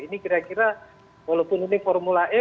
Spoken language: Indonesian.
ini kira kira walaupun ini formula e